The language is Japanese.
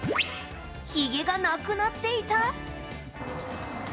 ひげがなくなっていた。